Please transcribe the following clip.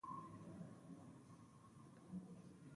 The blade bore a moderate to strong curve along its length.